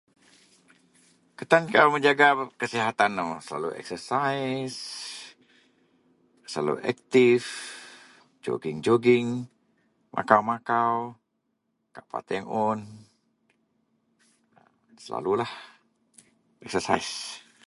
kutan akou menjaga kasihatan, kou selalu exercise, selalu aktif, joging-joging, makau-makau kak pateang un, selalu exercise